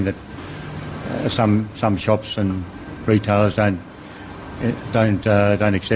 beberapa kedai dan pembayar tidak mengikuti uang tunai